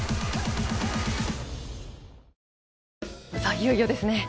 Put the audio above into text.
いよいよですね。